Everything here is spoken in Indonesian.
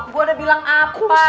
gue udah bilang apa